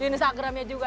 di instagramnya juga